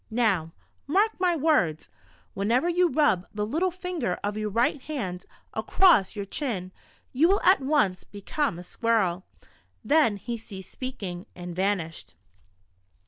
Now, mark my Avords : Whenever you rub the little finger of your right hand across your chin, you will at once become a squirrel." Then he ceased speaking, and vanished